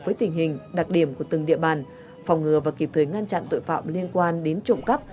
với tình hình đặc điểm của từng địa bàn phòng ngừa và kịp thời ngăn chặn tội phạm liên quan đến trộm cắp